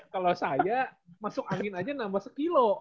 kalau saya masuk angin aja nambah sekilo